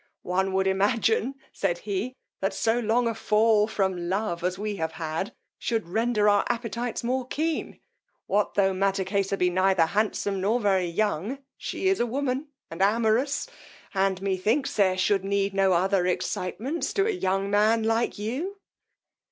One would imagine, said he, that so long a fall from love as we have had, should render our appetites more keen: what, tho' Mattakesa be neither handsome nor very young, she is a woman, and amorous, and methinks there should need no other excitements to a young man like you.